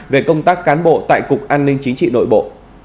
về công tác cán bộ tại cục an ninh chính trị nội bộ